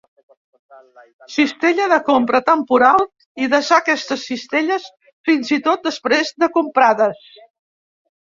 Cistella de compra temporal i desar aquestes cistelles fins i tot després de comprades.